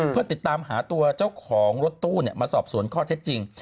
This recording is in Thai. เพื่อติดตามหาตัวเจ้าของรถตู้มาสอบสวนข้อเท็จจริง